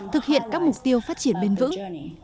thực hiện các mục tiêu phát triển bền vững